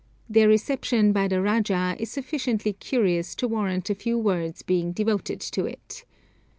Their reception by the rajah is sufficiently curious to warrant a few words being devoted to it.